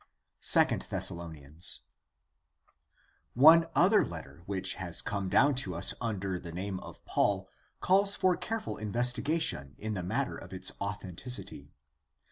// Thessalonians. — One other letter which has come down to us under the name of Paul calls for careful investiga tion in the matter of its authenticity.